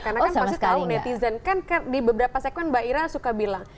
karena kan pasti tau netizen kan di beberapa segmen mbak ira suka bilang